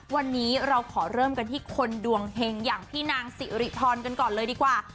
วันนี้เราขอเริ่มกันที่คนดวงเฮงอย่างพี่นางสิริพรกันก่อนเลยดีกว่า